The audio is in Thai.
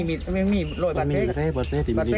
พ่อนั้นอยู่ด้านแล้วทีนี้